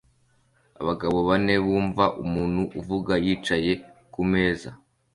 Abagabo bane bumva umuntu uvuga yicaye kumeza